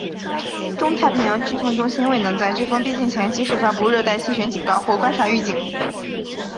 中太平洋飓风中心未能在飓风逼近前及时发布热带气旋警告或观察预警。